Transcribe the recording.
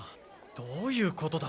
どういうことだ？